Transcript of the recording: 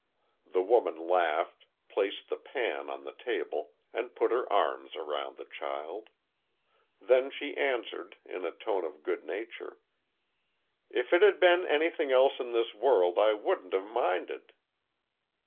The woman laughed, placed the pan on the table, and put her arms around the child. Then she answered, in a tone of good nature, "If it had been anything else in this world, I wouldn't have minded."